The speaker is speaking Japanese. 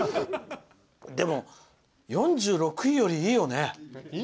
でも、４６位よりいいよね。